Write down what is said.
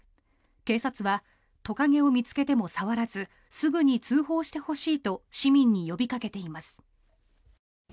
警察はトカゲを見つけても触らずすぐに通報してほしいと市民に呼びかけています。